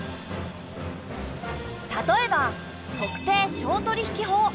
例えば「特定商取引法」。